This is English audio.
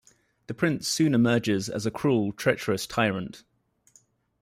The prince soon emerges as a cruel, treacherous tyrant.